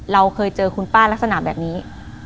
เราเคยเจอคุณป้าลักษณะแบบนี้